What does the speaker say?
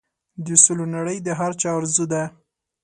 د سولې نړۍ د هر چا ارزو ده.